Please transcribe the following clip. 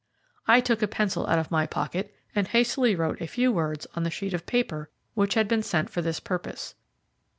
I took a pencil out of my pocket and hastily wrote a few words on the sheet of paper, which had been sent for this purpose.